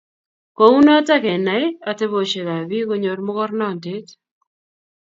Kounoto Kenai. Atebosiekab bik konyor mogornotet